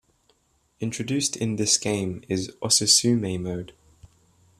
Introduced in this game is "Osusume" Mode.